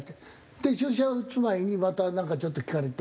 で注射打つ前にまたなんかちょっと聞かれて。